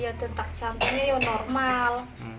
iya tentak campurnya ya normal